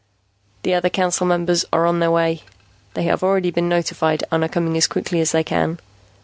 "The other Council Members are on their way. They have already been notified and are coming as quickly as they can.